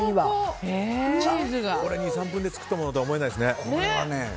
これ２３分で作ったものとは思えないよね。